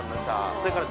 それから。